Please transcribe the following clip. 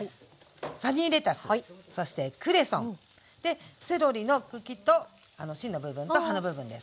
サニーレタスそしてクレソン。でセロリの茎と芯の部分と葉の部分ですね。